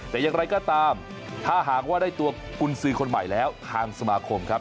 แต่อย่างไรก็ตามถ้าหากว่าได้ตัวกุญสือคนใหม่แล้วทางสมาคมครับ